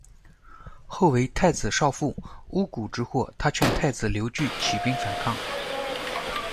后为太子少傅，巫蛊之祸，他劝太子刘据起兵反抗。